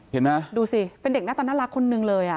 ดูสิเป็นเด็กหน้าตาน่ารักคนหนึ่งเลย